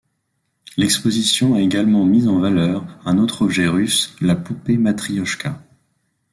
L'exposition a également mis en valeur un autre objet russe, la poupée matriochka.